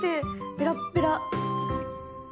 ペラッペラ。